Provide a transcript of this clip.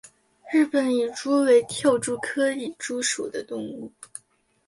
日本蚁蛛为跳蛛科蚁蛛属的动物。